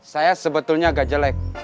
saya sebetulnya gak jelek